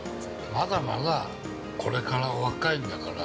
まだまだ、これから若いんだから。